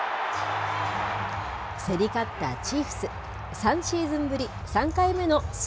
競り勝ったチーフス。